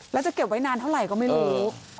แล้วจะเก็บไว้นานเท่าไหร่ก็ไม่รู้